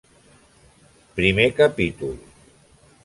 Primer capítol.